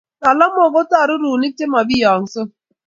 talamook ko torurunik chemobiyongsot